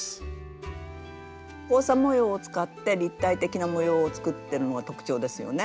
交差模様を使って立体的な模様を作ってるのが特徴ですよね。